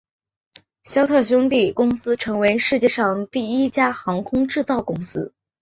肖特兄弟公司成为了世界上第一家航空制造公司。